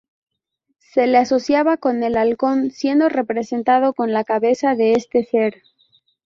Se le asociaba con el halcón, siendo representado con la cabeza de este ser.